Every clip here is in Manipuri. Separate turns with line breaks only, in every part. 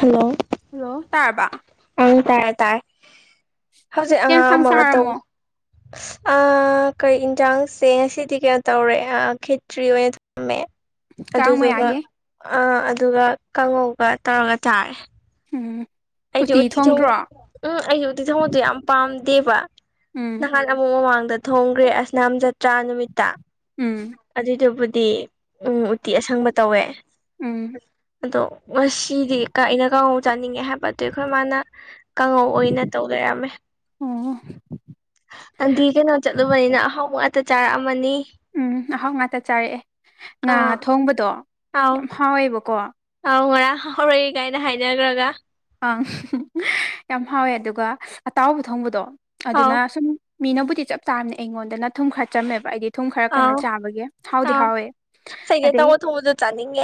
ꯍꯜꯂꯣ
ꯑꯣꯂꯣ ꯇꯔꯕꯥ
ꯇꯔꯦ ꯇꯔ ꯍꯧꯖꯤꯛ
ꯆꯦ
ꯑꯉꯥꯡ
ꯌꯦꯟꯁꯥꯡ
ꯑꯃ
ꯆꯥꯔꯝꯃꯣ
ꯀꯩ ꯌꯦꯟꯖꯥꯡꯁꯦ ꯉꯁꯤꯗꯤ ꯀꯩꯅꯣ ꯇꯧꯔꯦ ꯈꯦꯇ꯭ꯔꯤ ꯑꯣꯏꯅ ꯊꯝꯃꯦ
ꯀꯥꯡ
ꯑꯗꯨꯗꯨꯒ
ꯃꯌꯥꯒꯤ
ꯑ ꯑꯗꯨꯒ ꯀꯥꯡꯉꯧꯒ ꯇꯧꯔꯒ ꯇꯥꯔꯦ
ꯎꯝ
ꯑꯩꯗꯤ ꯎꯇꯤ ꯊꯉ ꯎꯝ ꯑꯩꯗꯤ ꯎꯇꯤ ꯊꯧꯉꯣꯗꯣ ꯌꯥꯝ ꯄꯥꯝꯗꯦꯕ
ꯎꯝ
ꯅꯍꯥꯟ ꯑꯃꯨꯛ ꯃꯃꯥꯡꯗ ꯊꯣꯡꯈ꯭ꯔꯦ ꯑꯁꯅꯥꯝꯖꯠ ꯇꯔꯥ ꯅꯨꯃꯤꯠꯇ
ꯎꯝ
ꯑꯗꯨꯏꯗꯨꯕꯨꯗꯤ ꯎ ꯎꯇꯤ ꯑꯁꯪꯕ ꯇꯧꯋꯦ
ꯎꯝ
ꯑꯗꯣ ꯉꯗꯤ ꯑꯩꯅ ꯀ ꯆꯥꯅꯤꯡꯉꯦ ꯍꯥꯏꯕ ꯑꯗꯨ ꯑꯩꯈꯣꯏ ꯃꯥꯅ ꯀꯥꯡꯉꯧ ꯑꯣꯏꯅ ꯇꯧ ꯂꯩꯔꯝꯃꯦ
ꯑꯣ
ꯑꯗꯤ ꯀꯩꯅꯣ ꯆꯠꯂꯨꯕꯅꯤꯅ ꯑꯍꯥꯎꯕ ꯉꯥꯛꯇ ꯆꯥꯔꯛꯑꯃꯅꯤ
ꯎꯝ ꯑꯍꯥꯎ ꯉꯥꯛꯇ ꯆꯥꯔꯛꯑꯦ ꯉꯥ
ꯑꯥ
ꯊꯣꯡꯕꯗꯣ ꯌꯥꯝ ꯍꯥꯎꯋꯦꯕꯀꯣ
ꯑ ꯉꯔꯥꯡ ꯍꯧꯔꯛꯏ ꯀꯥꯏꯅ ꯍꯥꯏꯅꯈ꯭ꯔꯒ
ꯑꯪ ꯌꯥꯝ ꯍꯥꯎꯋꯦ ꯑꯗꯨꯒ ꯑꯇꯥꯎꯕ ꯊꯣꯡꯕꯗꯣ
ꯑꯥꯎ
ꯑꯗꯨꯅ ꯁꯨꯝ ꯃꯤꯅꯕꯨꯗꯤ ꯆꯞ ꯆꯥꯝꯅꯦ ꯑꯩꯉꯣꯟꯗꯅ ꯊꯨꯝ ꯈꯔ ꯆꯝꯃꯦꯕ ꯑꯩꯗꯤ ꯊꯨꯝ ꯈꯔ
ꯑꯥꯎ
ꯀꯟꯅ ꯆꯥꯕꯒꯤ ꯍꯥꯎꯗꯤ
ꯑꯥꯎ
ꯍꯥꯎꯋꯦ
ꯆꯩꯒꯦ
ꯑꯗꯩ
ꯇꯧꯕ ꯊꯣꯡꯕꯗꯣ ꯆꯥꯅꯤꯡꯉꯦ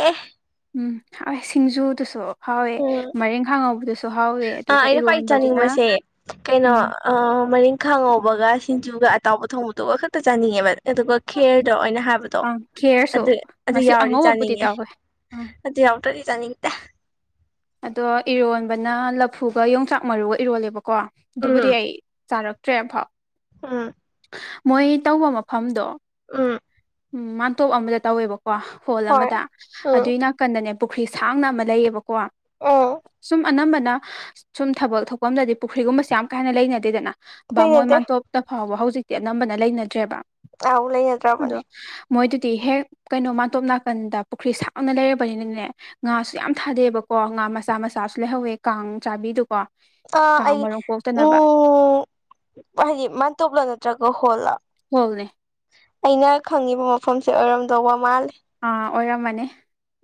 ꯎꯝ ꯍ ꯁꯤꯡꯖꯨꯗꯨꯁꯨ ꯐꯥꯎꯋꯦ ꯃꯔꯦꯡ ꯈꯥꯡꯉꯧꯕꯗꯨꯁꯨ
ꯑ ꯑꯩꯅ ꯈ꯭ꯋꯥꯏ ꯆꯥꯅꯤꯡꯕꯁꯦ ꯀꯩꯅꯣ
ꯎꯝ
ꯃꯔꯤ ꯈꯪꯍꯧꯕꯒ ꯑꯗꯨꯒ ꯑꯇꯥꯎꯕ ꯊꯣꯡꯕꯗꯨꯒ ꯈꯛꯇ ꯆꯥꯅꯤꯡꯉꯦꯕ ꯑꯗꯨꯒ ꯈꯦꯔꯗ ꯑꯣꯏꯅ ꯍꯥꯏꯕꯗꯣ
ꯑꯪ
ꯑꯗꯨ
ꯈꯦꯔꯁꯨ
ꯑꯗꯨ
ꯉꯁꯤ
ꯌꯥꯎꯗꯤ
ꯑꯉꯧꯕꯕꯨꯗꯤ
ꯆꯥꯅꯤꯡꯉꯦ
ꯇꯧꯋꯦ ꯑꯪ
ꯑꯗꯨ ꯌꯥꯎꯗꯗꯤ ꯆꯅꯤꯗ
ꯑꯗꯣ ꯏꯔꯣꯟꯕꯅ ꯂꯐꯨꯒ ꯌꯣꯡꯆꯥꯛ ꯃꯔꯨꯒ ꯏꯔꯣꯜꯂꯦꯕꯀꯣ ꯑꯗꯨꯕꯨꯗꯤ ꯑꯩ ꯆꯥꯔꯛ ꯇꯦꯚꯥꯎ
ꯑ
ꯃꯣꯏ ꯇꯧꯕ ꯃꯐꯝꯗꯣ
ꯎꯝ
ꯎꯝ ꯃꯥꯥꯟꯇꯣꯞ ꯑꯃꯗ ꯇꯧꯋꯦꯕꯀꯣ ꯍꯣꯜ
ꯍꯣꯏ
ꯑꯃꯗ
ꯎꯝ
ꯑꯗꯨꯏ ꯅꯥꯀꯟꯗꯅꯦꯕ ꯄꯨꯈ꯭ꯔꯤ ꯁꯥꯡꯅ ꯑꯃ ꯂꯩꯌꯦꯕꯀꯣ
ꯎꯝ
ꯁꯨꯝ ꯑꯅꯝꯕ ꯁꯨꯝ ꯊꯕꯛ ꯊꯣꯛꯄ ꯑꯝꯗꯗꯤ ꯄꯨꯈ꯭ꯔꯤꯒꯨꯝꯕꯁꯦ ꯌꯥꯝ ꯀꯥꯟꯅ ꯂꯩꯅꯗꯦꯗꯅ ꯕꯥꯃꯣꯏ
ꯂꯩꯅꯗꯦ
ꯃꯥꯟꯇꯣꯞꯇ ꯐꯥꯎꯕ ꯍꯧꯖꯤꯛꯇꯤ ꯑꯅꯝꯕꯅ ꯂꯩꯅꯗ꯭ꯔꯦꯕ
ꯑ ꯂꯩ
ꯑꯗꯣ
ꯌꯥꯠꯇ꯭ꯔꯥꯕꯅꯤ
ꯃꯣꯏꯗꯨꯗꯤ ꯍꯦꯛ ꯀꯩꯅꯣ ꯃꯥꯟꯇꯣꯞ ꯅꯥꯀꯟꯗ ꯄꯨꯈ꯭ꯔꯤ ꯁꯥꯡꯅ ꯂꯩꯔꯕꯅꯤꯅꯅꯦ ꯉꯥꯁꯨ ꯌꯥꯝ ꯊꯥꯗꯩꯕ ꯀꯣ ꯉꯥ ꯃꯆꯥ ꯃꯆꯥꯁꯨ ꯂꯩꯍꯧꯋꯦ ꯀꯥꯡ ꯆꯥꯕꯤꯗꯨꯀꯣ
ꯑ
ꯀꯥꯡ
ꯑꯩ
ꯃꯔꯨꯝ ꯀꯣꯛꯇꯅꯕ
ꯎꯝ ꯍꯥꯏꯗꯤ ꯃꯥꯟꯇꯣꯞꯂ ꯅꯠꯇ꯭ꯔꯒ ꯍꯣꯜꯂꯥ
ꯍꯅꯦꯦ
ꯑꯩꯅ ꯈꯪꯉꯤꯕ ꯃꯐꯝꯁꯦ ꯑꯣꯏꯔꯝꯗꯧꯕ ꯃꯥꯜꯜꯂꯤ
ꯑꯥ ꯑꯣꯏꯔꯝꯃꯅꯤ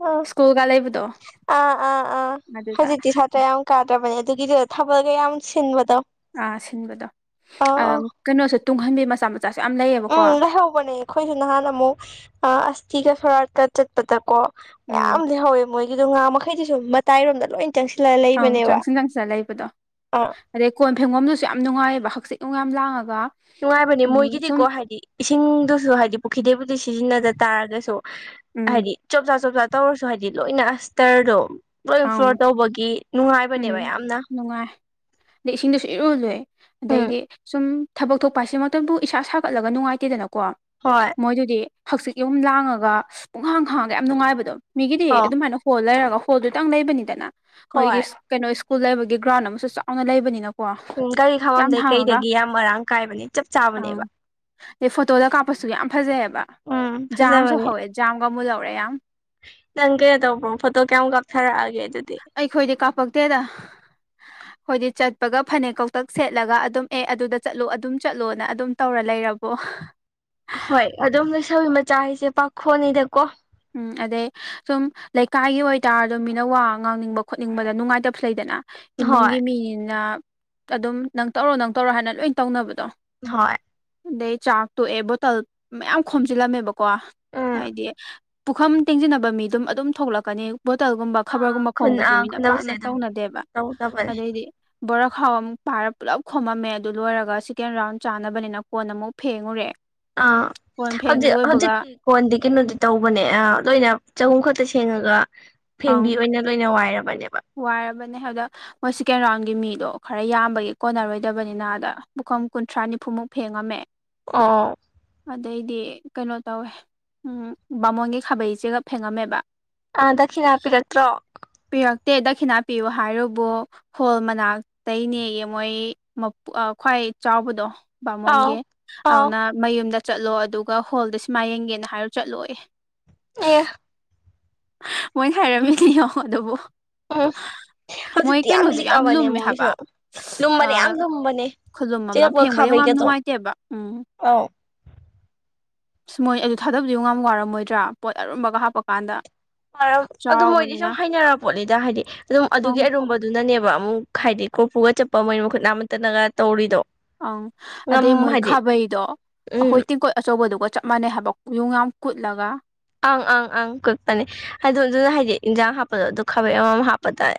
ꯑ
ꯁ꯭ꯀꯨꯜꯒ ꯂꯩꯕꯗꯣ
ꯑꯥ ꯑꯥ ꯑꯥ
ꯑꯗꯨꯗ
ꯍꯧꯖꯤꯗꯤꯤ ꯁꯥꯇ꯭ꯔꯦ ꯑꯃꯨꯛ ꯀꯥꯗ꯭ꯔꯕꯅꯤ ꯑꯗꯨꯒꯤꯗꯨ ꯊꯕꯛꯒ ꯌꯥꯝ ꯁꯤꯟꯕꯗꯣ
ꯑꯥ ꯁꯤꯟꯕꯗꯣ
ꯑꯥ ꯑꯥ
ꯀꯩꯅꯣꯁꯨ ꯇꯨꯡꯍꯟꯕꯤ ꯃꯆꯥ ꯃ
ꯎꯝ ꯂꯩꯍꯧꯕꯅꯦ ꯑꯩꯈꯣꯏꯁꯨ ꯅꯍꯥꯟ ꯑꯃꯨꯛ ꯑꯁꯇꯤꯒ ꯁꯣꯔꯥꯠꯀ ꯆꯠꯄꯗꯀꯣ
ꯎꯝ
ꯃꯌꯥꯝꯗꯤ ꯍꯧꯋꯦ ꯃꯣꯏꯒꯤꯗꯣ ꯉꯥ ꯃꯈꯩꯗꯤꯁꯨ ꯃꯇꯥꯏꯔꯣꯝꯗ ꯂꯣꯏꯅ
ꯑꯪ ꯆꯪꯁꯤꯟ ꯆꯪꯁꯤꯜꯂ ꯂꯩꯕꯗꯣ
ꯑꯥ
ꯑꯗꯩ ꯀꯣꯟ ꯐꯦꯡꯒꯣꯝꯗꯨꯁꯨ ꯌꯥꯝ ꯅꯨꯡꯉꯥꯏꯑꯕ ꯍꯛꯆꯤ ꯅꯨꯡ ꯌꯥꯝ ꯂꯥꯡꯉꯒ
ꯅꯨꯡꯉꯥꯏꯕꯅꯦ
ꯎꯝ ꯁꯨꯝ
ꯃꯣꯏꯒꯤꯗꯤꯀꯣ ꯍꯥꯏꯗꯤ ꯏꯁꯤꯡꯗꯨꯁꯨ ꯍꯥꯏꯗꯤ ꯄꯨꯈ꯭ꯔꯤꯗꯩꯕꯨꯗꯤ ꯁꯤꯖꯤꯟꯅꯗ ꯇꯥꯔꯒꯁꯨ
ꯎꯝ
ꯍꯥꯏꯗꯤ ꯆꯞ ꯆ ꯆꯞ ꯆ ꯇꯧꯔꯁꯨ ꯍꯥꯏꯗꯤ ꯂꯣꯏꯅ ꯏꯁꯇꯔꯗꯣ ꯂꯣꯏ
ꯑꯪ
ꯐ꯭ꯂꯣꯔ ꯇꯧꯕꯒꯤ
ꯎꯝ
ꯅꯨꯡꯉꯥꯏꯕꯅꯦꯕ ꯌꯥꯝꯅ
ꯅꯨꯡꯉꯥꯏ ꯑꯗꯩ ꯏꯁꯤꯡꯗꯁꯨ ꯏꯔꯨꯜꯂꯨꯦ
ꯎꯝ
ꯑꯗꯩꯗꯤ ꯁꯨꯝ ꯊꯕꯛ ꯊꯣꯛꯄ ꯍꯥꯏꯁꯤꯃ ꯃꯇꯝꯗꯨ ꯏꯁꯥ ꯁꯥꯒꯠꯂꯒ ꯅꯨꯡꯉꯥꯏꯇꯦꯗꯅꯀꯣ ꯀꯣ
ꯍꯣꯏ
ꯃꯣꯏꯗꯨꯗꯤ ꯍꯛꯆꯤꯛ ꯌꯍꯨꯝ ꯂꯥꯡꯉꯒ ꯄꯨꯡꯍꯥꯡ ꯈꯥꯡꯉꯒ ꯌꯥꯝ ꯅꯨꯡꯉꯥꯏꯕꯗꯣ ꯃꯤꯒꯤꯗꯤ
ꯑꯣ
ꯑꯗꯨꯃꯥꯏꯅ ꯍꯣꯜ ꯂꯩꯔꯒ ꯍꯣꯜꯗꯨꯇꯪ ꯂꯩꯕꯅꯤꯗꯅ ꯃꯣꯏꯗꯤ
ꯍꯣꯏ
ꯀꯩꯅꯣ ꯁ꯭ꯀꯨꯜ ꯂꯩꯕꯒꯤ ꯒ꯭ꯔꯥꯎꯟ ꯑꯃꯁꯨ ꯆꯥꯎꯅ ꯂꯩꯕꯅꯤꯅ
ꯎꯝ ꯒꯥꯔꯤ ꯈꯥꯃꯝꯗꯩ ꯀꯩꯗꯒꯤ ꯌꯥꯝ ꯃꯔꯥꯡ ꯀꯥꯏꯕꯅꯦ ꯆꯞ ꯆꯥꯕꯅꯦꯕ
ꯑꯪ ꯑꯗꯩ ꯐꯣꯇꯣꯗ ꯀꯥꯞꯄꯁꯨ ꯌꯥꯝ ꯐꯖꯩꯑꯕ
ꯎꯝ
ꯖꯥꯝꯁꯨ
ꯐꯖꯕꯅꯦ
ꯍꯧꯋꯦ ꯖꯥꯝꯒ ꯑꯃꯨꯛ ꯂꯧꯔꯦ ꯌꯥꯝ
ꯅꯪ ꯀꯩꯅꯣ ꯇꯧꯕ꯭ꯔꯣ ꯐꯣꯇꯣ ꯀꯌꯥꯝꯨ ꯀꯥꯞꯊꯔꯛꯑꯒꯦ ꯑꯗꯨꯗꯤ
ꯄꯇꯗ ꯑꯩꯣꯏꯗꯤ ꯆꯠꯄꯒ ꯐꯅꯦꯛ ꯀꯧꯇꯛ ꯁꯦꯠꯂꯒ ꯑꯗꯨꯝ ꯑꯦ ꯑꯗꯨꯗ ꯆꯠꯂꯣ ꯑꯗꯨꯝ ꯆꯠꯂꯣꯅ ꯑꯗꯨꯝ ꯇꯧꯔ ꯂꯩ ꯔꯔꯕꯣ
ꯍꯣꯏ ꯑꯗꯨꯝ ꯂꯩꯩꯁꯧꯕꯤ ꯃꯆꯥ ꯍꯥꯏꯁꯦ ꯄꯥꯈꯣꯅꯤꯗꯀꯣ
ꯎꯝ ꯑꯗꯩ ꯁꯨꯝ ꯂꯩꯀꯥꯏꯒꯤ ꯑꯣꯏꯇꯥꯔꯁꯨ ꯃꯤꯅ ꯋꯥ ꯉꯥꯡꯅꯤꯡꯕ ꯈꯣꯠꯅꯤꯡꯕꯗ ꯅꯨꯡꯉꯥꯏꯇꯕꯁꯨ ꯂꯩꯗꯅ
ꯍꯣꯏ
ꯏꯃꯨꯡꯒꯤ ꯃꯤꯅꯤꯅ ꯑꯗꯨꯝ ꯅꯪ ꯇꯧꯔꯣ ꯅꯪ ꯇꯧꯔꯣ ꯍꯥꯏꯅ ꯂꯣꯏ ꯇꯧꯅꯕꯗꯣ
ꯍꯣꯏ
ꯑꯗꯩ ꯆꯥꯛ ꯇꯣꯛꯑꯦ ꯕꯣꯇꯜ ꯃꯌꯥꯝ ꯈꯣꯝꯖꯤꯜꯂꯝꯃꯦꯕꯀꯣ
ꯎꯝ
ꯍꯥꯏꯗꯤ ꯄꯨꯈꯝ ꯇꯦꯡꯁꯤꯟꯅꯕ ꯃꯤꯗꯨꯝ ꯑꯗꯨꯝ ꯊꯣꯛꯂꯛꯀꯅꯤ ꯕꯣꯇꯜꯒꯨꯝꯕ
ꯑꯥ
ꯈꯕꯔꯒꯨꯝꯕ
ꯈꯨꯟ
ꯈꯣꯕꯁꯤꯗꯤ
ꯑꯥ
ꯃꯤꯅ
ꯈꯨꯟꯅꯕꯁꯦ
ꯄꯥꯛꯅ
ꯑꯗꯨꯝ
ꯇꯧꯅꯗꯦꯕ
ꯇꯧꯗꯕꯅꯦ
ꯑꯗꯩꯗꯤ ꯕꯣꯔꯥ ꯈꯥꯎ ꯑꯃꯨꯛ ꯄꯥꯏꯔ ꯄꯨꯂꯞ ꯈꯣꯝꯃꯝꯃꯦ ꯑꯗꯨ ꯂꯣꯏꯔꯒ ꯁꯦꯀꯦꯟ ꯔꯥꯎꯟ ꯆꯥꯅꯕꯅꯤꯅ ꯀꯣꯟ ꯑꯃꯨꯛ ꯐꯦꯡꯉꯨꯔꯦ
ꯑꯥ
ꯀꯣꯟ ꯐꯦꯡ
ꯍꯧꯖꯤꯛ
ꯂꯣꯏꯕꯒ
ꯍꯧꯖꯤꯛꯇꯤ ꯀꯣꯟꯗꯤ ꯀꯩꯅꯣꯗꯤ ꯇꯧꯕꯅꯦ ꯂꯣꯏꯅ ꯆꯍꯨꯝ ꯈꯛꯇ ꯁꯦꯡꯉꯒ
ꯑꯪ
ꯐꯦꯡꯕꯤ ꯑꯣꯏꯅ ꯂꯣꯏꯅ ꯋꯥꯏꯔꯕꯅꯦꯕ
ꯋꯥꯔꯕꯅꯦ ꯑꯗꯨꯗ ꯃꯣꯏ ꯁꯦꯀꯦꯟ ꯔꯥꯎꯟꯒꯤ ꯃꯤꯗꯣ ꯈꯔ ꯌꯥꯝꯕꯒꯤ ꯀꯣꯟꯅꯔꯣꯏꯗꯕꯅꯤꯅ ꯑꯗ ꯃꯐꯝ ꯀꯨꯟꯊ꯭ꯔꯥ ꯅꯤꯐꯨꯃꯨꯛ ꯐꯦꯡꯉꯝꯃꯦ
ꯑꯣ
ꯑꯗꯩꯗꯤ ꯀꯩꯅꯣ ꯇꯧꯋꯦ ꯎ ꯕꯥꯃꯣꯟꯒꯤ ꯈꯥꯕꯩꯆꯦꯒꯝ ꯐꯦꯡꯉꯝꯃꯦꯕ
ꯑ ꯗꯈꯤ ꯍꯥꯞꯄꯤꯔꯠꯇ꯭ꯔꯣ
ꯄꯤꯔꯛꯇꯦ ꯗꯈꯤꯅꯥ ꯄꯤꯌꯨ ꯍꯥꯏꯔꯨꯕꯨ ꯍꯣꯜ ꯃꯅꯥꯛꯇꯅꯦꯌꯦ ꯃꯣꯏ ꯈ꯭ꯋꯥꯏ ꯆꯥꯎꯕꯗꯣ
ꯑꯥꯎ
ꯕꯥꯃꯣꯟꯒꯤ
ꯑꯥꯎ
ꯑꯗꯨꯅ ꯃꯌꯨꯝꯗ ꯆꯠꯂꯣ ꯑꯗꯨꯒ ꯍꯣꯜꯗ ꯁꯤꯃꯥꯏ ꯌꯦꯡꯒꯦꯅ ꯍꯥꯏꯔꯣ ꯆꯠꯂꯣꯑ
ꯑꯦ
ꯃꯣꯏꯅ ꯍꯥꯏꯔꯝꯃꯤꯅꯦꯉꯣ ꯑꯗꯨꯕꯨ
ꯎꯝ
ꯃꯣꯏ
ꯍꯧꯖꯤꯛꯇꯤ ꯌꯥꯝ
ꯀꯩꯅꯣꯗꯣ
ꯂꯤꯛꯑꯕꯅꯦ
ꯂꯨꯝꯃꯦ
ꯃꯣꯏꯁꯨ
ꯍꯥꯏꯕ
ꯂꯨꯝꯕꯅꯦ ꯌꯥꯝ ꯂꯨꯝꯕꯅꯦ
ꯈꯨꯗꯨꯨꯝ ꯑꯃ
ꯆꯦꯔꯛꯄꯒ
ꯐꯦꯡꯕꯗ ꯌꯥꯝ ꯌꯥꯝ
ꯈꯥꯕꯩꯒꯗꯣ
ꯅꯨꯡꯉꯥꯏꯇꯦꯕ ꯎꯝ
ꯑꯧ
ꯁ ꯃꯣꯏ ꯑꯗꯨ ꯊꯥꯗꯕꯗꯨ ꯌꯥꯝ ꯋꯥꯔꯝꯃꯣꯏꯗ꯭ꯔꯥ ꯄꯣꯠ ꯑꯔꯨꯝꯕꯒ ꯍꯥꯞꯄꯀꯥꯟꯗ
ꯑꯗꯨ ꯃꯣꯏꯗꯤ ꯁꯨꯝ
ꯆꯥꯎꯕꯅꯤꯅ
ꯍꯩꯅꯔꯄꯣꯠꯂꯤꯗ ꯍꯥꯏꯗꯤ ꯑꯗꯨꯝ ꯑꯗꯨꯒꯤ
ꯑꯪ
ꯑꯔꯨꯝꯕꯗꯨꯅꯅꯦꯕ ꯑꯃꯨꯛ ꯍꯥꯏꯗꯤ ꯀ꯭ꯔꯣꯄꯨꯒ ꯆꯠꯄ ꯃꯣꯏ ꯃꯈꯨꯠ ꯅꯥ ꯑꯃꯠꯇꯅꯒ ꯇꯧꯔꯤꯗꯣ
ꯑꯪ
ꯉꯝ
ꯑꯗꯩ ꯃꯣꯏ
ꯍꯥꯏꯗꯤ
ꯈꯥꯕꯩꯗꯣ ꯑꯩꯈꯣꯏ
ꯎꯝ
ꯇꯦꯡꯀꯣꯠ ꯑꯆꯧꯕꯗꯨꯒ ꯆꯞ ꯃꯥꯟꯅꯩ ꯍꯥꯏꯕ ꯌꯨꯡ ꯌꯥꯝ ꯀꯨꯠꯂꯒ
ꯑꯪ ꯑꯪ ꯑꯪ ꯀꯄꯅꯦ ꯍꯥꯏꯗꯣ ꯑꯗꯨꯅ ꯍꯥꯏꯗꯤ ꯏꯟꯖꯥꯡ ꯍꯥꯞꯄꯗꯣ ꯑꯗꯨ ꯈꯥꯕꯩ ꯑꯃꯃꯝ ꯍꯥꯞꯄ ꯇꯥꯔꯦ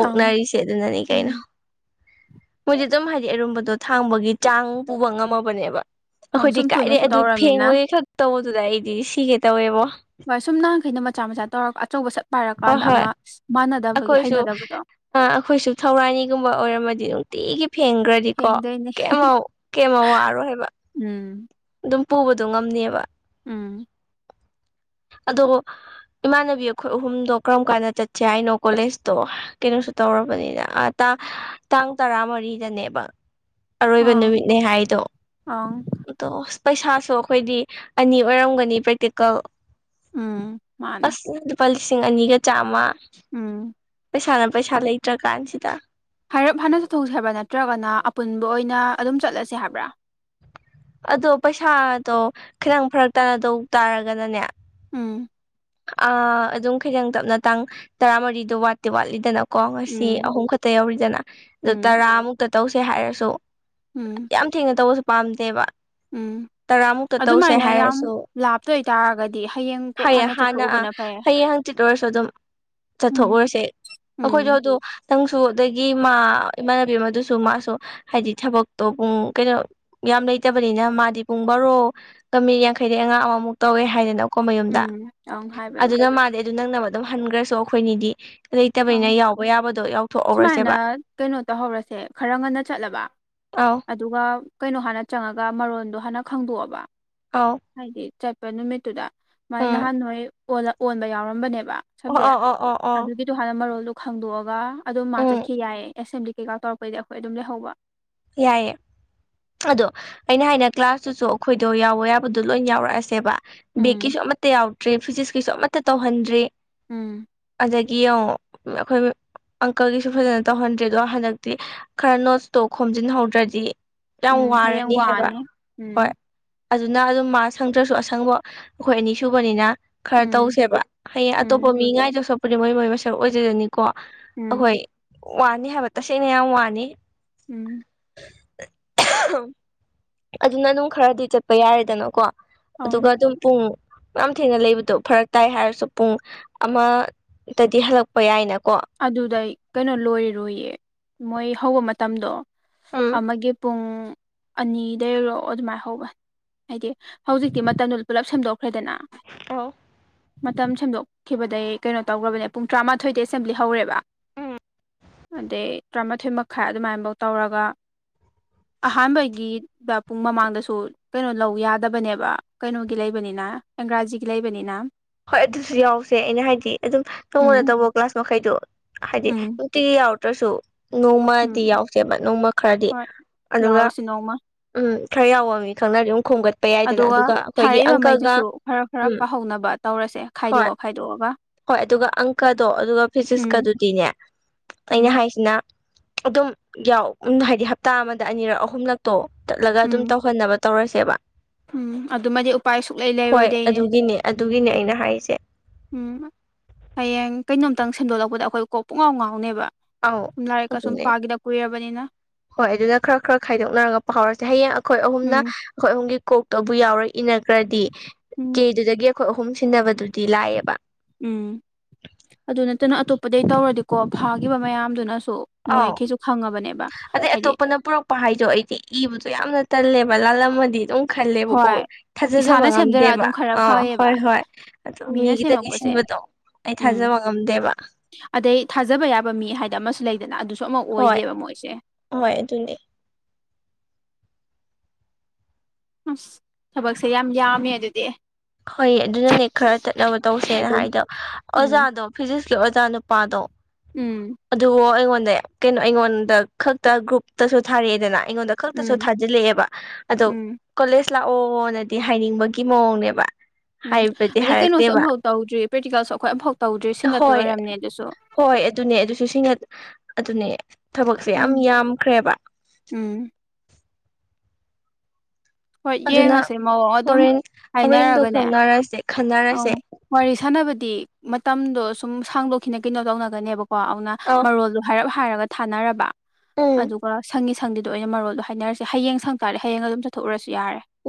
ꯑꯪ
ꯑꯗꯨꯅꯅꯤ ꯀꯩꯅꯣ
ꯎꯝ
ꯃꯣꯏꯗꯤ ꯑꯗꯨꯝ ꯍꯥꯏꯗꯤ ꯑꯔꯨꯝꯕꯗꯣ ꯊꯥꯡꯕꯒꯤ ꯆꯥꯡ ꯄꯨꯕ ꯉꯝꯃꯕꯅꯦꯕ
ꯑꯪ
ꯑꯩꯈꯣꯏꯗꯤ
ꯁꯨꯝ
ꯀꯥꯏꯔꯦ
ꯇꯣꯏꯅꯁꯨ
ꯑꯗꯨ
ꯇꯧꯔꯃꯤꯅ
ꯐꯦꯡꯕꯒꯤ ꯈꯛ ꯇꯧꯕꯗꯨꯗ ꯑꯩꯗꯤ ꯁꯤꯒꯦ ꯇꯧꯋꯦꯕꯣ
ꯑꯉꯥꯡꯈꯩꯅ ꯃꯆꯥ ꯃꯆꯥ ꯇꯧꯔꯒ ꯑꯆꯧꯕ ꯁꯠ ꯄꯥꯏꯔ
ꯍꯣꯏ
ꯀꯥꯟꯗ
ꯍꯣꯏ
ꯑꯃ ꯃꯥꯟꯅꯗꯕꯒꯤ ꯍꯩꯅꯗꯕꯗꯣ
ꯑ ꯑꯩꯈꯣꯏꯁꯨ ꯊꯧꯔꯥꯅꯤꯒꯨꯝꯕ ꯑꯣꯏꯔꯝꯃꯗꯤ ꯑꯗꯨꯝ ꯅꯨꯡꯇꯤꯒꯤ ꯐꯦꯡꯈ꯭ꯔꯗꯤꯀꯣ
ꯊꯦꯡꯗꯣꯏꯅꯤ
ꯀꯦꯝꯃ ꯀꯩꯃꯧ ꯋꯥꯔꯣꯏ ꯍꯥꯏꯕ
ꯎꯝ
ꯑꯗꯨꯝ ꯄꯨꯕꯗꯣ ꯉꯝꯅꯦꯕ
ꯎꯝ
ꯑꯗꯣ ꯏꯃꯥꯟꯅꯕꯤ ꯑꯩꯈꯣꯏ ꯑꯍꯨꯝꯗꯣ ꯀꯔꯝ ꯀꯥꯟꯗ ꯆꯠꯁꯦ ꯍꯥꯏꯅꯣ ꯀꯣꯂꯦꯖꯇꯣ ꯀꯩꯅꯣ ꯁ ꯇꯧꯔꯕꯅꯤꯅ ꯇꯥꯡ ꯇꯔꯥ ꯃꯔꯤꯗꯅꯦꯕ ꯑꯔꯣꯏꯕ
ꯑꯥ
ꯅꯨꯃꯤꯠꯅꯦ ꯍꯥꯏꯗꯣ
ꯑꯪ
ꯑꯗꯣ ꯄꯩꯁꯥꯁꯨ ꯑꯩꯈꯣꯏꯗꯤ ꯑꯅꯤ ꯑꯣꯏꯔꯝꯒꯅꯤ ꯄ꯭ꯔꯦꯛꯇꯤꯀꯦꯜ
ꯎꯝ ꯃꯥꯅꯦ
ꯑꯁꯅ ꯂꯨꯄꯥ ꯂꯤꯁꯤꯡ ꯑꯅꯤꯒ ꯆꯥꯝꯃ
ꯎꯝ
ꯄꯩꯁꯥꯅ ꯄꯩꯁꯥ ꯂꯩꯇ꯭ꯔ ꯀꯥꯟꯁꯤꯗ
ꯍꯥꯏꯔꯞ ꯍꯥꯟꯅ ꯆꯠꯊꯣꯛꯁ ꯍꯥꯏꯕꯥ ꯅꯠꯇ꯭ꯔꯒꯅ ꯑꯄꯨꯟꯕ ꯑꯣꯏꯅ ꯑꯗꯨꯝ ꯆꯠꯂꯁꯦ ꯍꯥꯏꯕ꯭ꯔꯥ
ꯑꯗꯣ ꯄꯩꯁꯥꯗꯣ ꯈꯤꯇꯪ ꯐꯔꯛ ꯇꯥꯅꯗꯧ ꯇꯥꯔꯒꯅꯅꯦ
ꯎꯝ
ꯑ ꯑꯗꯨꯝ ꯈꯤꯇꯪ ꯇꯞꯅ ꯇꯥꯡ ꯇꯔꯥꯃꯔꯤꯗꯣ ꯋꯥꯠꯇꯦ ꯋꯥꯠꯂꯤꯗꯅ ꯀꯣ ꯉꯁꯤ
ꯎꯝ
ꯑꯍꯨꯝ ꯈꯛꯇ ꯌꯧꯔꯤꯗꯅ ꯑꯗꯨ
ꯎꯝ
ꯇꯔꯥꯃꯨꯛꯇ ꯇꯧꯁꯦ ꯍꯥꯏꯔꯁꯨ
ꯎꯝ
ꯌꯥꯝ ꯊꯦꯡꯅ ꯇꯧꯕꯁꯨ ꯄꯥꯝꯗꯦꯕ
ꯎꯝ
ꯇꯔꯥꯃꯨꯛꯇ ꯇꯧꯁꯦ
ꯑꯗꯨꯃꯥꯏꯅ ꯌꯥꯝ
ꯍꯥꯏꯔꯁꯨ
ꯂꯥꯞꯇꯣꯏ ꯑꯣꯏꯇꯥꯔꯒꯗꯤ ꯍꯌꯦꯡ ꯀꯣꯛ ꯍꯟꯅ ꯆꯠ
ꯍꯌꯦꯡ ꯍꯪꯆꯤꯠ ꯑꯣꯏꯔꯁꯨ ꯑꯗꯨꯝ
ꯎꯝ
ꯆꯠꯊꯣꯛꯎꯔꯁꯦ ꯑꯩꯈꯣꯏꯁꯨ
ꯎꯝ
ꯑꯗꯨ ꯅꯪꯁꯨ ꯑꯗꯒꯤ ꯃꯥ ꯏꯃꯥꯟꯅꯕꯤ ꯑꯃꯗꯨꯁꯨ ꯃꯥꯁꯨ ꯍꯥꯏꯗꯤ ꯊꯕꯛꯇꯣ ꯄꯨꯡ ꯀꯩꯅꯣ ꯌꯥꯝ ꯂꯩꯇꯕꯅꯤꯅ ꯃꯥꯗꯤ ꯄꯨꯡ ꯕꯥꯔꯣꯒꯃꯤ ꯌꯥꯡꯈꯩꯗꯩ ꯑꯉꯥꯡ ꯑꯃꯃꯨꯛ ꯇꯧꯋꯦ ꯍꯥꯏꯗꯅ
ꯎꯝ ꯍꯥꯏꯕꯅꯦ
ꯑꯗꯨꯅ ꯃꯥꯗꯦ ꯑꯗꯨ ꯅꯪꯅꯕ ꯑꯗꯨꯝ ꯍꯟꯈ꯭ꯔꯁꯨ ꯑꯩꯈꯣꯏꯅꯤꯗꯤ
ꯑꯥ
ꯂꯩꯇꯕꯅꯤꯅ ꯌꯥꯎꯕ ꯌꯥꯕꯗꯣ
ꯁꯨꯃꯥꯏꯅ
ꯌꯥꯎꯊꯣꯛꯍꯧꯔꯁꯦꯕ
ꯀꯩꯅꯣ ꯇꯧꯍꯧꯔꯁꯦ ꯈꯔ ꯉꯟꯅ ꯆꯠꯂꯕ
ꯑꯧ
ꯑꯗꯨꯒ ꯀꯩꯅꯣ ꯍꯥꯟꯅ ꯆꯪꯉꯒ ꯃꯔꯣꯟꯗꯣ ꯍꯥꯟꯅ ꯈꯪꯗꯣꯛꯑꯕ
ꯑꯧ
ꯍꯥꯏꯗꯤ ꯆꯠꯄ ꯅꯨꯃꯤꯠꯇꯨꯗ ꯃꯥꯏ
ꯎꯝ
ꯅꯍꯥꯟ ꯅꯣꯏ ꯑꯣꯟꯕ ꯌꯥꯎꯔꯝꯕꯅꯦꯕ
ꯑꯣ
ꯁꯞꯖꯦꯛ
ꯑꯣ ꯑꯣ ꯑꯣ ꯑꯣ
ꯑꯗꯨꯒꯤꯗꯣ ꯍꯥꯟꯅ ꯃꯔꯣꯜꯗꯣ ꯈꯪꯗꯣꯛꯑꯒ ꯑꯗꯨꯝ ꯃꯥ
ꯎꯝ
ꯆꯠꯈꯤ ꯌꯥꯏꯌꯦ ꯑꯦꯁꯦꯝꯕ꯭ꯂꯤ ꯀꯩꯀꯥ ꯇꯧꯔꯛꯄꯩꯗꯤ ꯑꯩꯈꯣꯏ ꯑꯗꯨꯝ ꯂꯩꯍꯧꯕ
ꯌꯥꯏꯌꯦ ꯑꯗꯣ ꯑꯩꯅ ꯍꯥꯏꯅ ꯀ꯭ꯂꯥꯁꯇꯨꯁꯨ ꯑꯩꯈꯣꯏꯗꯣ ꯌꯥꯎꯕ ꯌꯥꯕꯗꯣ ꯂꯣꯏ ꯌꯥꯎꯔꯛꯑꯁꯦꯕ
ꯎꯝ
ꯕꯦꯛꯀꯤꯁꯨ ꯑꯃꯠꯇ ꯌꯥꯎꯗ꯭ꯔꯦ ꯐꯤꯖꯤꯛꯁꯀꯤꯁꯨ ꯑꯃꯠꯇ ꯇꯧꯍꯟꯗ꯭ꯔꯦ
ꯎꯝ
ꯑꯗꯨꯗꯒꯤ ꯑ ꯑꯩꯈꯣꯏ ꯑꯪꯀꯜꯒꯤꯁꯨ ꯐꯖꯅ ꯇꯧꯍꯟꯗ꯭ꯔꯦ ꯑꯗꯣ ꯍꯟꯗꯛꯇꯤ ꯈꯔ ꯅꯣꯠꯁꯇꯣ ꯈꯣꯝꯖꯤꯟꯍꯧꯗ꯭ꯔꯗꯤ ꯌꯥꯝ
ꯎꯝ ꯍꯌꯦꯡ
ꯋꯥꯔꯅꯤ ꯍꯥꯏꯕ
ꯋꯥꯅꯤ
ꯍꯣꯏ
ꯎꯝ
ꯑꯗꯨꯅ ꯑꯗꯨꯝ ꯃꯥꯁꯪꯗ꯭ꯔꯁꯨ ꯑꯁꯪꯕ ꯑꯩꯈꯣꯏ ꯑꯅꯤ ꯁꯨꯕꯅꯤꯅ ꯈꯔ
ꯎꯝ
ꯇꯧꯁꯦꯕ ꯍꯌꯦꯡ
ꯎꯝ
ꯑꯇꯣꯞꯄ ꯃꯤꯉꯥꯏꯗ ꯁꯛꯄꯨꯅꯤ ꯃꯣꯏ ꯃꯣꯏ ꯃꯁꯛ ꯑꯣꯏꯖꯗꯅꯤꯀ ꯀꯣ
ꯎꯝ
ꯑꯩꯈꯣꯏ ꯋꯥꯅꯤ ꯍꯥꯏꯕ ꯇꯁꯦꯡꯅ ꯌꯥꯝ ꯋꯥꯅꯤ
ꯎꯝ
ꯑꯗꯨꯅ ꯑꯗꯨꯝ ꯈꯔꯗꯤ ꯆꯠꯄ ꯌꯥꯔꯦꯗꯅꯀꯣ
ꯑꯪ
ꯑꯗꯨꯒ ꯑꯗꯨꯝ ꯄꯨꯡ ꯌꯥꯝ ꯊꯦꯡꯅ ꯂꯩꯕꯗꯣ ꯐꯔꯛ ꯇꯥꯏ ꯍꯥꯏꯔꯁꯨ ꯄꯨꯡ ꯑꯃꯗꯗꯤ ꯍꯜꯂꯛꯄ ꯌꯥꯏꯅ
ꯑꯗꯨꯗ ꯀꯩꯅꯣ ꯂꯣꯏꯔꯔꯣꯏꯌꯦ ꯃꯣꯏ ꯍꯧꯕ ꯃꯇꯝꯗꯣ
ꯎꯝ
ꯑꯃꯒ ꯄꯨꯡ ꯑꯅꯤꯗꯔꯣ ꯑꯗꯨꯃꯥꯏ ꯍꯧꯕ ꯍꯥꯏꯗꯤ ꯍꯧꯖꯤꯛꯇꯤ ꯃꯇꯝꯗꯨ ꯄꯨꯂꯞ ꯁꯦꯝꯗꯣꯛꯈ꯭ꯔꯦꯗꯅ
ꯍꯣ
ꯃꯇꯝ ꯁꯦꯝꯗꯣꯛꯈꯤꯕꯗꯒꯤꯩ ꯀꯩꯅꯣ ꯇꯧꯈ꯭ꯔꯕꯅꯦ ꯄꯨꯡ ꯇꯔꯥꯃꯥꯊꯣꯏꯗ ꯑꯦꯁꯦꯝꯕ꯭ꯂꯤ ꯍꯧꯔꯦꯕ ꯑꯗꯩ ꯇꯔꯥꯃꯥꯊꯣꯏ ꯃꯈꯥꯏ ꯑꯗꯨꯃꯥꯏꯐꯧ ꯇꯧꯔꯒ ꯑꯍꯥꯟꯕꯒꯤꯗ ꯄꯨꯡ ꯃꯃꯥꯡꯗꯁꯨ ꯀꯩꯅꯣ ꯂꯧ ꯌꯥꯗꯕꯅꯦꯕ ꯀꯩꯅꯣꯒꯤ ꯂꯩꯕꯅꯤꯅ ꯏꯪꯒꯔꯥꯖꯤꯒꯤ ꯂꯩꯕꯅꯤꯅ
ꯍꯣꯏ ꯑꯗꯨꯁꯨ ꯌꯥꯎꯁꯦ ꯑꯩꯅ ꯍꯥꯏꯗꯤ ꯑꯗꯨꯝ ꯇꯉꯣꯅ
ꯎꯝ
ꯇꯧꯕ ꯀ꯭ꯂꯥꯁ ꯃꯈꯩꯗꯣ ꯍꯥꯏꯗꯤ
ꯎꯝ
ꯅꯨꯡꯇꯤꯒꯤ ꯌꯥꯎꯔꯗ꯭ꯔꯁꯨ
ꯎꯝ
ꯅꯣꯡꯃꯗꯤ ꯌꯥꯎꯗꯦꯕ ꯅꯣꯡꯃ ꯈꯔꯗꯤ
ꯍꯣꯏ
ꯑꯗꯨꯒ
ꯌꯥꯎꯔꯁꯤ ꯅꯣꯡꯃ
ꯎꯝ ꯐ꯭ꯔꯥꯏꯥꯎꯋꯥꯑꯕꯤ ꯈꯪꯅ ꯑꯗꯨ
ꯑꯗꯨꯒ ꯊꯥꯔꯛꯏꯕꯉꯩꯗꯨꯁꯨ ꯈꯔ ꯈꯔ
ꯎꯝ
ꯄꯥꯍꯧꯅꯕ ꯇꯧꯔꯁꯦ
ꯍꯣꯏ
ꯈꯥꯏꯗꯣꯛꯑ ꯈꯥꯏꯗꯣꯛꯑ
ꯍꯣꯏ ꯑꯗꯨꯒ ꯑꯪꯀꯗꯣ ꯑꯗꯨꯒ
ꯎꯝ
ꯐꯤꯖꯤꯛꯁꯀꯗꯨꯗꯤꯅꯦ ꯑꯩꯅ
ꯎꯝ
ꯍꯥꯏꯁꯤꯅ ꯑꯗꯨꯝ ꯌꯥꯎ ꯍꯥꯏꯗꯤ ꯍꯞꯇꯥ ꯑꯃꯗ ꯑꯅꯤꯔꯛ ꯑꯍꯨꯝꯂꯛꯇꯣ ꯆꯠꯂꯒ
ꯎꯝ
ꯑꯗꯨꯝ ꯇꯧꯍꯟꯅꯕ ꯇꯧꯔꯁꯦꯕ
ꯎꯝ ꯑꯗꯨꯃꯗꯤ ꯎꯄꯥꯏ ꯁꯨꯛꯂꯩ
ꯍꯣꯏ
ꯂꯩꯔꯣꯏꯗꯦꯅꯦ
ꯑꯗꯨꯒꯤꯅꯦ ꯑꯗꯨꯒꯤꯅꯦ ꯑꯩꯅ ꯍꯥꯏꯔꯤꯁꯦ
ꯎꯝ ꯍꯌꯦꯡ ꯀꯩꯅꯣꯝꯇꯪ ꯁꯦꯝꯗꯣꯛꯂꯛꯄꯗ ꯑꯩꯈꯣꯏ ꯀꯣꯛ ꯄꯨꯡꯉꯥꯎ ꯉꯥꯎꯅꯦꯕ
ꯑꯧ
ꯁꯨꯝ ꯂꯥꯏꯔꯤꯛꯀ ꯁꯨꯝ
ꯑꯗꯨꯅꯦ
ꯄꯥꯈꯤꯗ ꯀꯨꯏꯔꯕꯅꯤꯅ
ꯍꯣꯏ ꯑꯗꯨꯅ ꯈꯔ ꯈꯔ ꯈꯥꯏꯗꯣꯛꯅꯔꯒꯛꯄ ꯍꯧꯥꯎꯔꯁꯦ ꯍꯌꯦꯡ ꯑꯩꯈꯣꯏ ꯑꯍꯨꯝꯅ
ꯎꯝ
ꯑꯩꯈꯣꯏ ꯑꯍꯨꯝꯒꯤ ꯀꯣꯛꯇꯕꯨ ꯌꯥꯎꯔ ꯏꯅ ꯈꯔꯗꯤ
ꯎꯝ
ꯀꯦꯗꯨꯗꯒꯤ ꯑꯩꯈꯣꯏ ꯑꯍꯨꯝ ꯁꯤꯟꯅꯕꯗꯨꯗꯤ ꯂꯥꯛꯑꯦꯕ
ꯎꯝ ꯑꯗꯨ ꯅꯠꯇꯅ ꯑꯇꯣꯞꯄꯗꯒꯤ ꯇꯧꯔꯗꯤꯀꯣ ꯐꯥꯈꯤꯕ ꯃꯌꯥꯝꯗꯨꯅ
ꯑꯥꯎ ꯑꯗꯩ
ꯍꯥꯏꯗꯤ
ꯑꯇꯣꯞꯄꯅ ꯄꯨꯔꯛꯄ ꯍꯥꯏꯗꯣ ꯑꯩꯗꯤ ꯏꯕꯗꯣ ꯌꯥꯝꯅ ꯇꯜꯂꯦꯕ ꯃꯂ ꯂꯝꯂꯝ ꯃꯗꯤ ꯇꯣ ꯈꯜꯂꯦꯕꯀꯣ
ꯍꯣꯏ
ꯊꯥꯖꯖꯕ
ꯏꯁꯥꯅ ꯁꯦꯝꯖꯔ
ꯉꯝꯗꯦꯕ
ꯑꯗꯨꯝ ꯈꯔ
ꯑꯥ
ꯐꯩꯌꯦꯕ
ꯍꯣꯏ ꯍꯣꯏ ꯑꯗꯣ
ꯃꯤꯅ
ꯃꯤꯒꯤꯇ
ꯁꯦꯝꯃꯛꯄꯁꯦ
ꯁꯤꯟꯕꯗꯣ ꯑꯩ
ꯎꯝ
ꯊꯥꯖꯕ ꯉꯝꯗꯦꯕ
ꯑꯗꯩ ꯊꯥꯖꯕ ꯌꯥꯕ ꯃꯤ ꯍꯥꯏꯗꯤꯅ ꯑꯃꯁꯨ ꯂꯩꯗꯅ ꯑꯗꯨꯁꯨ ꯁꯃꯛ
ꯍꯣꯏ
ꯑꯣꯏꯗꯦꯕ ꯃꯣꯏꯁꯦ
ꯍꯣꯏ ꯑꯗꯨꯅꯦ
ꯑꯁ ꯊꯕꯛꯁꯦ ꯌꯥꯝ ꯌꯥꯝꯃꯦ ꯑꯗꯨꯗꯤ
ꯍꯣꯏ ꯑꯗꯨꯅꯅꯦ ꯈꯔ ꯆꯠꯅꯕ ꯇꯧꯁꯦꯅ ꯍꯥꯏꯗꯣ
ꯎꯝ
ꯑꯣꯖꯥꯗꯣ ꯐꯤꯖꯤꯛꯁ ꯑꯣꯖꯥ ꯅꯨꯄꯥꯗꯣ
ꯎꯝ
ꯑꯗꯨꯕꯨ ꯑꯩꯉꯣꯟꯗ ꯀꯩꯅꯣ ꯑꯩꯉꯣꯟꯗ ꯈꯛꯇ ꯒ꯭ꯔꯨꯞꯇꯁꯨ ꯊꯥꯔꯛꯑꯦꯗꯅ ꯑꯩꯉꯣꯟꯗ ꯈꯛꯇꯁꯨ
ꯎꯝ
ꯊꯥꯖꯤꯜꯂꯛꯑꯦꯕ ꯑꯗꯣ
ꯎꯝ
ꯀꯣꯂꯦꯖ ꯑ ꯂꯥꯛꯑꯣꯅꯗꯤ ꯍꯥꯏꯅꯤꯡꯕꯒꯤ ꯃꯑꯣꯡꯅꯦꯕ
ꯎꯝ
ꯍꯥꯏꯕꯗꯤ
ꯑꯗꯩ ꯀꯩꯅꯣꯁꯨ
ꯍꯥꯏꯔꯛꯇꯦꯕ
ꯑꯝꯐꯥꯎ ꯇꯧꯗ꯭ꯔꯤ ꯄ꯭ꯔꯦꯛꯇꯤꯀꯦꯜꯁꯨ ꯑꯩꯈꯣꯏ ꯑꯝꯐꯥꯎ ꯇꯧꯗ꯭ꯔꯤ ꯁꯤꯡꯒꯠꯇ
ꯍꯣꯏ
ꯑꯣꯏꯔꯝꯅꯦ ꯑꯗꯨꯁꯨ
ꯍꯣꯏ ꯑꯗꯨꯅꯦ ꯑꯗꯨꯁꯨ ꯑꯗꯨꯅꯦ ꯊꯕꯛꯁꯦ ꯌꯥꯝ
ꯎꯝ
ꯌꯥꯝꯈ꯭ꯔꯦꯕ
ꯎꯝ ꯍꯣꯏ
ꯑꯗꯨꯅ
ꯌꯦꯡꯉꯁꯦ ꯃꯑꯣꯡ ꯑꯗꯨꯝ
ꯍꯣꯔꯦꯟ ꯍꯣꯔꯦꯟꯗꯣ
ꯍꯥꯏꯅꯔꯒꯅꯦ
ꯈꯪꯅꯔꯁꯤ
ꯑꯪ ꯋꯥꯔꯤ ꯁꯥꯟꯅꯕꯗꯤ ꯃꯇꯝꯗꯣ ꯁꯨꯝ ꯁꯥꯡꯗꯣꯛꯈꯤꯅ ꯀꯩꯅꯣ ꯇꯧꯅꯒꯅꯦꯕꯀꯣ ꯀꯣ ꯑꯗꯨꯅ
ꯑꯧ
ꯃꯔꯣꯜꯗꯣ ꯍꯥꯏꯔꯞ ꯍꯥꯏꯔꯒ ꯊꯥꯅꯔꯕ
ꯎꯝ
ꯑꯗꯨꯒ ꯁꯪꯗꯤꯗꯣ ꯑꯣꯏꯅ ꯃꯔꯣꯗꯣ ꯍꯥꯏꯅꯔꯁꯦ ꯍꯌꯦꯡ ꯁꯪ ꯇꯔꯦ ꯍꯌꯦꯡ ꯑꯗꯨꯝ ꯆꯠꯊꯣꯛꯎꯁꯦ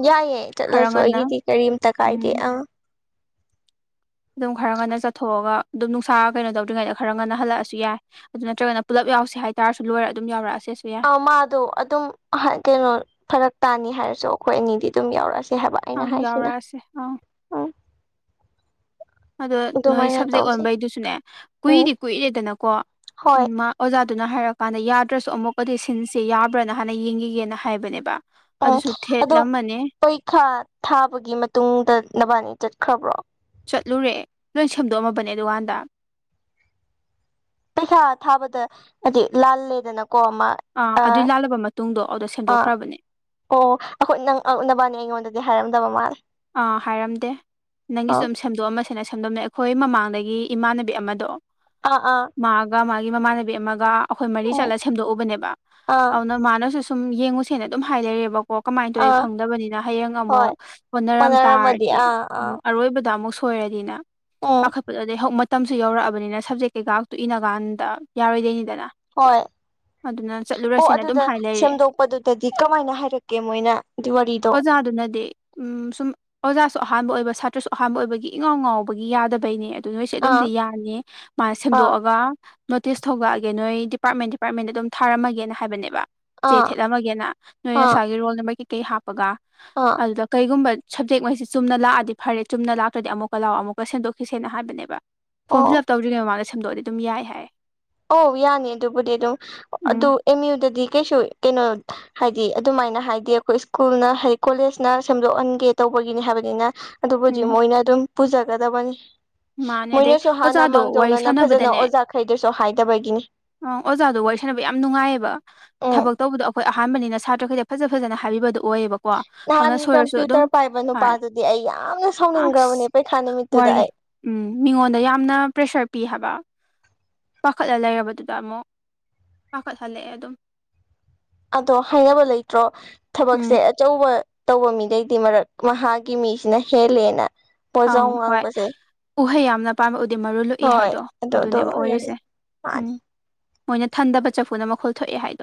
ꯌꯥꯏꯌꯦꯏ ꯆꯠꯂꯁꯨ ꯑꯩꯒꯤꯗꯤ ꯀꯔꯤꯝꯇ
ꯎꯝ
ꯀꯥꯏꯗꯦ ꯑꯥ
ꯑꯗꯨꯝ ꯈꯔ ꯉꯟꯅ ꯆꯠꯊꯣꯛꯑꯒ ꯑꯗꯨꯝ ꯅꯨꯡꯁꯥ ꯀꯩꯅꯣ ꯇꯧꯗ꯭ꯔꯤꯉꯩꯗ ꯈꯔ ꯉꯟꯅ ꯍꯜꯂꯛꯑꯁꯨ ꯌꯥꯏ ꯑꯗꯨ ꯅꯠꯇ꯭ꯔꯒꯅ ꯄꯨꯂꯞ ꯌꯥꯎꯁꯦ ꯍꯥꯏꯇꯥꯔꯁꯨ ꯂꯣꯏꯔ ꯑꯗꯨꯝ ꯌꯥꯎꯔꯛꯑꯁꯦ
ꯑ ꯃꯥꯗꯣ ꯑꯗꯨꯝ ꯀꯩꯅꯣ ꯐꯔꯛ ꯇꯥꯅꯤ ꯍꯥꯏꯔꯁꯨ ꯑꯩꯈꯣꯏ ꯑꯅꯤꯗꯤ ꯑꯗꯨꯝ ꯌꯥꯎꯔꯛꯑꯁꯦ ꯀ ꯍꯥꯏꯕ ꯑꯩꯅ
ꯑꯪ
ꯍꯥꯏꯁꯤꯅ
ꯌꯥꯎꯔꯛꯑꯁꯦ ꯑꯪ
ꯎꯝ
ꯑꯗꯣ ꯅꯣꯏ
ꯑꯗꯨꯃꯥꯏꯅ
ꯁꯥꯞꯖꯦꯛ
ꯇꯧꯁꯦ
ꯑꯣꯟꯕꯩꯗꯨꯁꯨꯅꯦ
ꯎꯝ
ꯀꯨꯏꯗꯤ ꯀꯨꯏꯔꯦꯗꯅꯀꯣ
ꯍꯣꯏ
ꯃꯥ ꯑꯣꯖꯥ ꯑꯗꯨꯅ ꯍꯥꯏꯔꯀꯥꯟꯗ ꯌꯥꯗ꯭ꯔꯁꯨ ꯑꯃꯨꯛꯀꯗꯤ ꯁꯤꯟꯁꯦ ꯌꯥꯕ꯭ꯔꯅ ꯍꯥꯟꯅ ꯌꯦꯡꯈꯤꯒꯦꯅ ꯍꯥꯏꯕꯅꯦꯕ
ꯎꯝ
ꯑꯗꯨꯁꯨ
ꯑꯗꯣ
ꯊꯦꯠꯂꯝꯃꯅꯤ
ꯄꯔꯤꯈꯥ ꯊꯥꯕꯒꯤ ꯃꯇꯨꯡꯗ ꯅꯕꯥꯟꯅꯤ ꯆꯠꯀ ꯈꯕꯔꯣ [inaudible]
ꯆꯠꯂꯨꯔꯦ ꯂꯣꯏ ꯁꯦꯝꯗꯣꯛꯑꯝꯃꯕꯅꯦ ꯗꯨꯀꯥꯟꯗ
ꯄꯩꯁꯥ ꯊꯥꯕꯗ ꯍꯥꯏꯗꯤ ꯂꯥꯜꯂꯦꯗꯅ ꯀꯣ ꯃꯥ ꯑꯥ
ꯑꯗꯨꯏ ꯂꯥꯜꯂꯕ ꯃꯇꯨꯡꯗꯣ ꯑꯗꯨꯗ
ꯑꯣ
ꯁꯦꯝꯗꯣꯛꯈ꯭ꯔꯕꯅꯦ
ꯑꯩꯈꯣꯏ ꯅꯪ ꯅꯕꯥꯟꯅꯤ ꯑꯩꯉꯣꯟꯗꯗꯤ ꯍꯥꯏꯔꯝꯗꯕ ꯃꯥꯜꯂꯦ
ꯑꯥ ꯍꯥꯏꯔꯝꯗꯦ ꯅꯪꯒꯤꯁꯨ
ꯑꯥ
ꯑꯗꯨꯝ ꯁꯦꯝꯗꯣꯛꯑꯃ ꯁꯅ ꯁꯝꯗꯣꯝꯅ ꯑꯩꯈꯣꯏ ꯃꯃꯥꯡꯗꯒꯤ ꯏꯃꯥꯟꯅꯕꯤ ꯑꯃꯗꯣ
ꯑꯥ ꯑꯥ
ꯃꯥꯒ ꯃꯥ ꯃꯃꯥꯟꯅꯕꯤ ꯑꯃꯒꯥ ꯑꯩꯈꯣꯢ ꯃꯔꯤ
ꯎꯝ
ꯆꯠꯂꯒꯥ ꯁꯦꯝꯗꯣꯛꯎꯕꯅꯦ
ꯑꯥ
ꯑꯗꯨꯅ ꯃꯅꯥꯁꯨ ꯁꯨꯝ ꯌꯦꯡꯉꯨꯁꯦꯅ ꯑꯗꯨꯝ ꯍꯥꯏ ꯂꯩꯔꯦꯕꯀꯣ ꯀꯃꯥꯏꯅ ꯇꯧꯋꯤ
ꯑꯥ
ꯈꯪꯗꯕꯅꯤꯅ ꯍꯌꯦꯡ
ꯍꯣꯏ
ꯑꯃꯨꯛ ꯃꯔꯝ
ꯑꯣꯟꯅꯔꯝꯃꯗꯤ
ꯇꯥꯔꯗꯤ
ꯑꯥ ꯑꯥ
ꯑꯔꯣꯏꯕꯗ ꯑꯃꯨꯛ ꯁꯣꯏꯔꯗꯤꯅ
ꯎꯝ
ꯄꯥꯈꯠꯄꯗꯣ ꯇꯝꯁꯨ ꯌꯧꯔꯛꯑꯕꯅꯤꯅ ꯁꯞꯖꯦꯛ ꯀꯩꯀꯥꯛꯇꯨ ꯏꯟꯅ ꯀꯥꯟꯗ ꯌꯥꯔꯣꯏꯗꯣꯏꯅꯤ
ꯍꯣꯏ ꯑꯣ
ꯆꯠꯂꯨꯔꯁꯦꯅ ꯑꯗꯨꯝ
ꯑꯗꯨꯗ
ꯍꯥꯏ ꯂꯩꯔꯦ
ꯁꯦꯝꯗꯣꯛꯄꯗꯨꯗꯗꯤ ꯀꯃꯥꯏꯅ ꯍꯥꯏꯔꯛꯀꯦ ꯃꯣꯏꯅ ꯋꯥꯔꯤꯗꯣ
ꯑꯗꯨꯅꯗꯤ ꯎꯝ ꯁꯨꯝ ꯑꯣꯖꯥꯁꯨ ꯑꯍꯥꯟꯕ ꯑꯣꯏꯕ ꯁꯥꯇ꯭ꯔꯁꯨ ꯑꯍꯥꯟꯕ ꯑꯣꯏꯕꯒꯤ ꯏꯉꯥꯎ ꯉꯥꯎꯕꯒꯤ ꯌꯥꯗꯕꯩꯅꯦ ꯑꯗꯨ ꯅꯣꯏꯁꯦ
ꯑꯥ
ꯑꯗꯨꯝꯗꯤ ꯌꯥꯅꯤ ꯃꯥꯅ
ꯑꯥ
ꯁꯦꯝꯗꯣꯛꯑꯒ ꯅꯣꯇꯤꯁ ꯊꯣꯛꯂꯛꯑꯒꯦ ꯅꯣꯏ ꯗꯤꯄꯥꯔꯠꯃꯦꯟ ꯗꯤꯄꯥꯔꯠꯃꯦꯟꯗ ꯑꯗꯨꯝ ꯊꯥꯔꯝꯃꯒꯦꯅ ꯍꯥꯏꯕꯅꯦꯕ ꯆꯦ
ꯑꯥ
ꯊꯦꯠꯂꯝꯃꯒꯦꯅ ꯅꯣꯏ
ꯑꯥ
ꯅꯁꯥꯏꯒꯤ ꯔꯣꯜ ꯅꯝꯕꯔ ꯀꯩꯀꯩ ꯍꯥꯞꯄꯒ
ꯑꯥ
ꯁꯤꯒꯨꯝꯕ ꯁꯕꯖꯦꯛꯉꯩꯁꯤ ꯆꯨꯝꯅ ꯂꯥꯛꯑꯗꯤ ꯐꯔꯦ ꯆꯨꯝꯅ ꯂꯥꯛꯇ꯭ꯔꯗꯤ ꯑꯃꯨꯛꯀ ꯂꯥꯛꯑꯣ ꯑꯃꯨꯛꯀ ꯁꯦꯝꯗꯣꯛꯈꯤꯁꯦꯅ ꯍꯥꯏꯕꯅꯦꯕ ꯐꯣꯝ
ꯑꯣ
ꯐꯤꯜꯂꯞ ꯇꯧꯗ꯭ꯔꯤꯉꯩ ꯃꯃꯥꯡꯗ ꯁꯦꯝꯗꯣꯛꯑꯗꯤ ꯑꯗꯨꯝ ꯌꯥꯏ ꯍꯥꯏ
ꯑꯣ ꯌꯥꯅꯤ ꯑꯗꯨꯕꯨꯗꯤ ꯑꯗꯨꯝ ꯑꯗꯨ
ꯎꯝ
ꯑꯝ ꯌꯨ ꯗꯥꯗꯤ ꯀꯩꯁꯨ ꯀꯩꯅꯣ ꯑꯗꯨꯃꯥꯏ ꯀꯃꯥꯏꯅ ꯍꯥꯏꯗꯤ ꯑꯩꯈꯣꯏ ꯁ꯭ꯀꯨꯜꯅ ꯍꯥꯏꯗꯤ ꯀꯣꯂꯦꯖꯅ ꯁꯦꯝꯗꯣꯛꯍꯟꯒꯦ ꯇꯧꯕꯒꯤꯅꯤ ꯍꯥꯏꯕꯅꯤꯅ ꯑꯗꯨꯕꯨꯗꯤ
ꯎꯝ
ꯃꯣꯏꯅ ꯑꯗꯨꯝ ꯄꯨꯖꯒꯗꯕꯅꯤ
ꯃꯥꯅꯦ ꯑꯗꯩ
ꯃꯣꯏꯅꯁꯨ ꯍꯥꯟꯅ
ꯑꯣꯖꯥꯗꯣ ꯋꯥꯔꯤ
ꯃꯥꯡꯖꯧꯅꯅ ꯐꯖꯅ
ꯁꯥꯟꯅꯕꯗꯅꯦ
ꯑꯣꯖꯥꯈꯩꯗꯁꯨ ꯍꯥꯏꯗꯕꯒꯤꯅꯤ
ꯑ ꯑꯣꯖꯥꯗꯣ ꯋꯥꯔꯤ ꯁꯥꯟꯅꯕ ꯌꯥꯝ ꯅꯨꯡꯉꯥꯏꯌꯦꯕ
ꯎꯝ
ꯊꯕꯛ ꯇꯧꯕꯗꯣ ꯑꯩꯈꯣꯏ ꯑꯩꯈꯣꯏ ꯑꯍꯥꯟꯕꯅ ꯁꯥꯇ꯭ꯔꯈꯩꯗ ꯐꯖ ꯐꯖꯅ ꯍꯥꯏꯕꯤꯕꯗꯣ ꯑꯣꯏꯌꯦꯕꯀꯣ ꯑꯗꯨꯅ
ꯅꯍꯥꯟꯒꯤ
ꯁꯣꯏꯔꯁꯨ ꯑꯗꯨꯝ
ꯀꯝꯄ꯭ꯌꯨꯇꯔ ꯄꯥꯏꯕ
ꯍꯥꯏ
ꯅꯨꯄꯥꯗꯨꯗꯤ ꯑꯩ ꯌꯥꯝꯅ ꯁꯥꯎꯅꯤꯡꯈ꯭ꯔꯕꯅꯦ
ꯑꯁ
ꯄꯩꯈꯥ ꯅꯨꯃꯤꯠꯇꯨꯗ ꯗ
ꯋꯥꯔꯤ
ꯑꯩ
ꯎꯝ ꯃꯤꯉꯣꯟꯗ ꯌꯥꯝꯅ ꯄ꯭ꯔꯦꯁꯔ ꯄꯤ ꯍꯥꯏꯕ ꯄꯥꯈꯠꯂ ꯂꯩꯔꯕꯗꯨꯗ ꯑꯃꯨꯛ ꯄꯥꯈꯠꯍꯜꯂꯛꯑꯦ ꯑꯗꯨꯝ
ꯑꯗꯣ ꯍꯥꯏꯅꯕ ꯂꯩꯇ꯭ꯔꯣ
ꯎꯝ
ꯊꯕꯛꯁꯦ ꯑꯆꯧꯕ ꯇꯧꯕ ꯃꯤꯗꯩꯗꯤ ꯃꯔꯛ ꯃꯍꯥꯛꯀꯤ ꯃꯤꯁꯤꯅ ꯍꯦꯜꯂꯦꯅ ꯄꯣꯠꯖꯥꯎ
ꯑꯩ ꯍꯣꯏ
ꯉꯥꯡꯕꯁꯦ
ꯎꯍꯩ ꯌꯥꯝꯅ ꯄꯥꯟꯕ ꯗꯤ ꯃꯔꯨ ꯂꯣꯛꯏ
ꯍꯣꯏ
ꯍꯥꯏꯗꯣ
ꯑꯗꯨ ꯑꯗꯨ
ꯑꯗꯨꯅꯦꯕ
ꯑꯣꯏꯔꯦ
ꯑꯣꯏꯔꯤꯁꯦ
ꯃꯥꯗꯤ
ꯎꯝ ꯃꯣꯏꯅ ꯊꯟꯗꯕ ꯆꯐꯨꯅ ꯃꯈꯨꯜ ꯊꯣꯛꯑꯦ ꯍꯥꯏꯗꯣ